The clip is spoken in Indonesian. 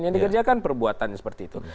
yang dikerjakan perbuatannya seperti itu